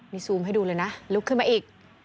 นี่ซูมให้ดูเลยนะลุกขึ้นมาอีก